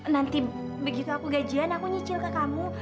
nanti begitu aku gajian aku nyicil ke kamu